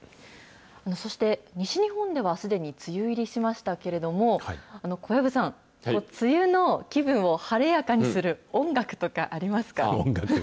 そして西日本ではすでに、梅雨入りしましたけれども、小籔さん、梅雨の気分を晴れやかにする音楽とかありますか？